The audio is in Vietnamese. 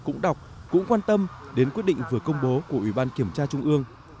cũng đọc cũng quan tâm đến quyết định vừa công bố của ủy ban kiểm tra trung ương